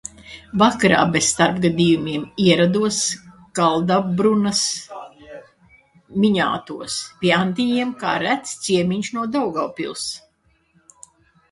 "Vakarā, bez starpgadījumiem ierados Kaldabrunas "Miņātos" pie Antiņiem kā rets ciemiņš no Daugavpils."